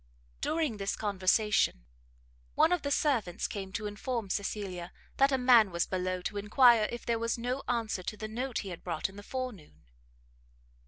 During this conversation, one of the servants came to inform Cecilia, that a man was below to enquire if there was no answer to the note he had brought in the forenoon.